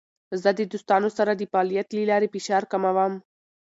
زه د دوستانو سره د فعالیت له لارې فشار کموم.